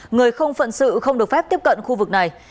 người không phận sự không được phép tiếp cận khu vực này